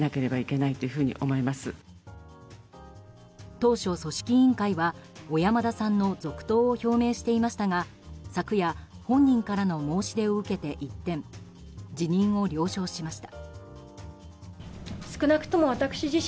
当初、組織委員会は小山田さんの続投を表明していましたが昨夜、本人からの申し出を受けて一転、辞任を了承しました。